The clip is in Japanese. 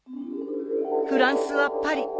フランスはパリ。